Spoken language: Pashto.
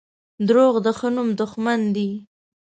• دروغ د ښه نوم دښمن دي.